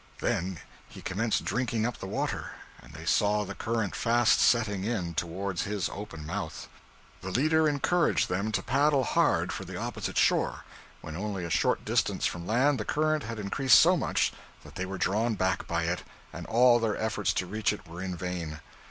Then he commenced drinking up the water, and they saw the current fast setting in towards his open mouth. The leader encouraged them to paddle hard for the opposite shore. When only a short distance from land, the current had increased so much, that they were drawn back by it, and all their efforts to reach it were in vain.